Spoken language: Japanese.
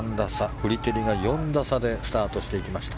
フリテリが４打差でスタートしていきました。